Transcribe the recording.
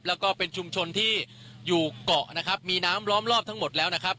แล้วก็เป็นชุมชนที่อยู่เกาะนะครับมีน้ำล้อมรอบทั้งหมดแล้วนะครับ